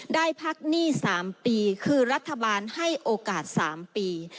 ได้พักหนี้๓ปีคือรัฐบาลให้โอกาส๓ปี